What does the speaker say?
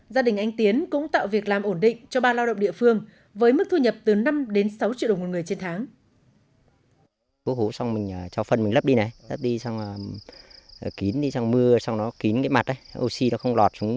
gia đình anh tiến cũng tạo việc làm ổn định cho ba lao động địa phương với mức thu nhập từ năm đến sáu triệu đồng một người trên tháng